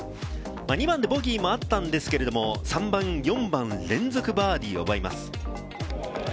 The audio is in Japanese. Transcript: ２番でボギーもあったんですけれど、３番、４番、連続バーディーを奪います。